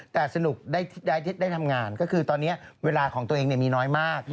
แต่สนุกได้ทำงานก็คือตอนนี้เวลาของตัวเองมีน้อยมาก